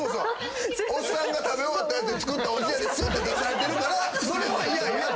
おっさんが食べ終わったやつで作ったおじやですって出されてるからそれは嫌やって。